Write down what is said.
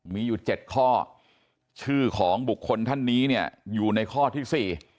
มีอยู่๗ข้อชื่อของบุคคลท่านนี้เนี่ยอยู่ในข้อที่๔